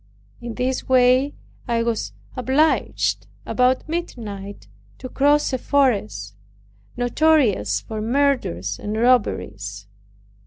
In this way I was obliged, about midnight, to cross a forest, notorious for murders and robberies.